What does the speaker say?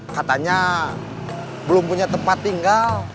katanya belum punya tempat tinggal